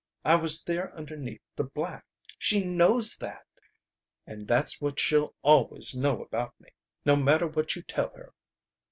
I was there underneath the black! She knows that! And that's what she'll always know about me, no matter what you tell her.